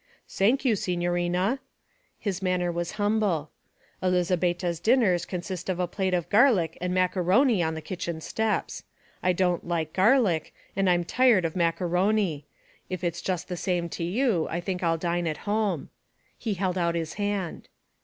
'Sank you, signorina.' His manner was humble. 'Elizabetta's dinners consist of a plate of garlic and macaroni on the kitchen steps. I don't like garlic and I'm tired of macaroni; if it's just the same to you, I think I'll dine at home.' He held out his hand.